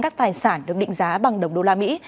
các tài sản được định giá bằng đồng đô la mỹ